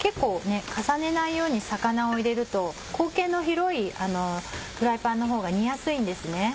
結構重ねないように魚を入れると口径の広いフライパンのほうが煮やすいんですね。